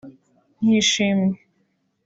nk’ishimwe